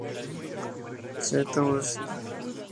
Château de St.